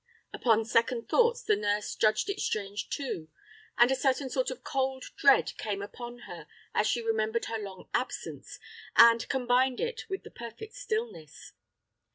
Upon second thoughts, the nurse judged it strange too; and a certain sort of cold dread came upon her as she remembered her long absence, and combined it with the perfect stillness.